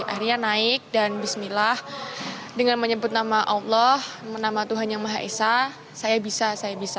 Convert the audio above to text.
akhirnya naik dan bismillah dengan menyebut nama allah nama tuhan yang maha esa saya bisa saya bisa